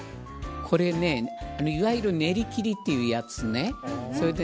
これはいわゆる練りきりというやつね。